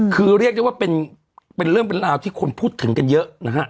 คือเรียกได้ว่าเป็นเรื่องเป็นราวที่คนพูดถึงกันเยอะนะฮะ